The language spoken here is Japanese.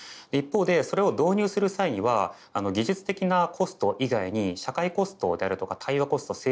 一方でそれを導入する際には技術的なコスト以外に社会コストであるとか対話コスト